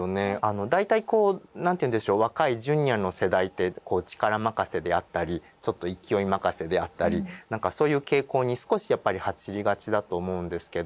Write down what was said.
大体こう何て言うんでしょう若いジュニアの世代って力任せであったりちょっと勢い任せであったり何かそういう傾向に少しやっぱり走りがちだと思うんですけど